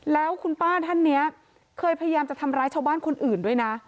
แล้วคุณป้าท่านนี้เคยพยายามจะทำร้ายชาวบ้านคนอื่นด้วยนะ